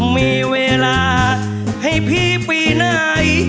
มีเวลาให้พี่ปีน้าย